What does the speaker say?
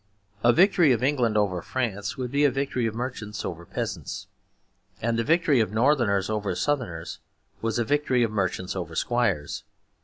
A victory of England over France would be a victory of merchants over peasants; and the victory of Northerners over Southerners was a victory of merchants over squires.